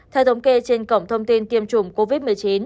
theo thống kê trên cổng thông tin tiêm chủng covid một mươi chín